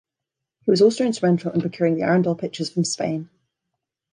He was also instrumental in procuring the Arundel pictures from Spain.